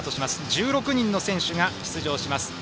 １６人の選手が出場します。